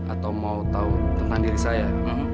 atau mau tahu tentang diri saya